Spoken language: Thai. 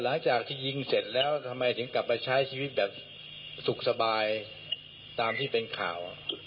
หลังจากที่ยิงเสร็จแล้วทำไมถึงกลับมาใช้ชีวิตแบบสุขสบายตามที่เป็นข่าว